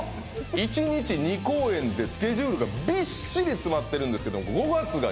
１日２公演でスケジュールがビッシリ詰まってるんですけど５月が